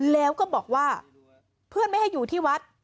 แล้วก็บอกว่าเพื่อนไม่ให้อยู่ที่วัด